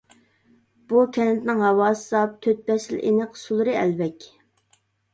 بۇ كەنتنىڭ ھاۋاسى ساپ، تۆت پەسىل ئېنىق، سۇلىرى ئەلۋەك.